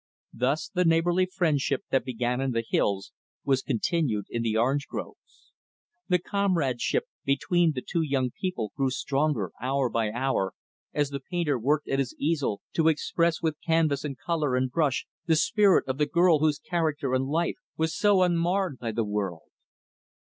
Thus the neighborly friendship that began in the hills was continued in the orange groves. The comradeship between the two young people grew stronger, hour by hour, as the painter worked at his easel to express with canvas and color and brush the spirit of the girl whose character and life was so unmarred by the world.